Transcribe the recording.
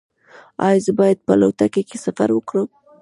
ایا زه باید په الوتکه کې سفر وکړم؟